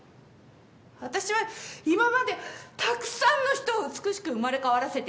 私は今までたくさんの人を美しく生まれ変わらせてきたの。